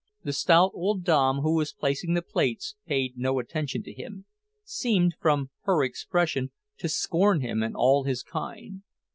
The stout old dame who was placing the plates paid no attention to him, seemed, from her expression, to scorn him and all his kind.